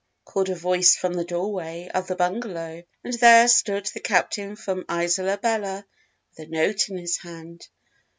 called a voice from the doorway of the bungalow, and there stood the Captain from Isola Bella with a note in his hand.